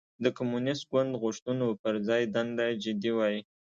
د کمونېست ګوند غوښتنو پر ځای دنده جدي وای.